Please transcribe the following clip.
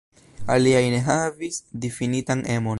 Aliaj ne havis difinitan emon.